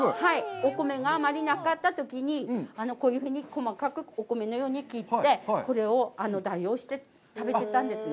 お米があまりなかったときに、こういうふうに細かくお米のように切って、これを代用して食べてたんですね。